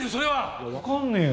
いやわかんねえよ。